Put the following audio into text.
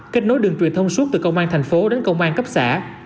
kết nối đường truyền thông suốt từ công an thành phố đến công an cấp xã